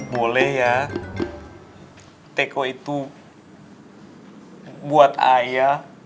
boleh ya teko itu buat ayah